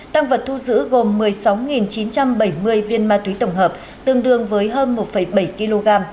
tăng vật thu giữ gồm một mươi sáu chín trăm bảy mươi viên ma túy tổng hợp tương đương với hơn một bảy kg